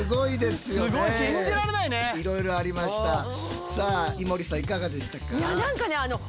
いろいろありました。